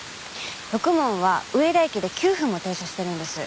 ろくもんは上田駅で９分も停車してるんです。